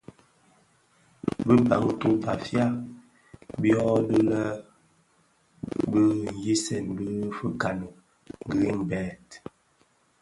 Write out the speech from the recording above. Bi Bantu (Bafia) byodhi bi nyisen bi fikani Greenberg,